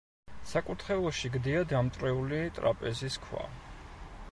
საკურთხეველში გდია დამტვრეული ტრაპეზის ქვა.